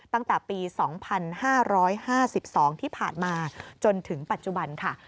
ตั้งแต่ปี๒๕๕๒ที่ผ่านมาจนถึงปัจจุบันค่ะ